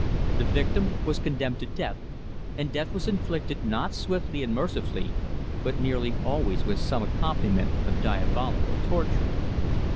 The victim was condemned to death, and death was inflicted not swiftly and mercifully, but nearly always with some accompaniment of diabolical torture.